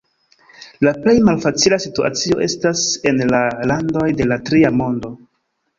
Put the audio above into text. La plej malfacila situacio estas en la landoj de la Tria Mondo.